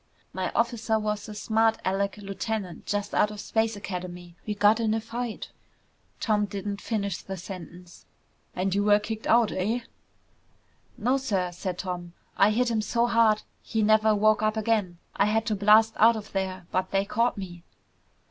"My officer was a smart alec lieutenant just out of Space Academy. We got in a fight " Tom didn't finish the sentence. "And you were kicked out, eh?" "No, sir," said Tom. "I hit him so hard he never woke up again. I had to blast out of there, but they caught me."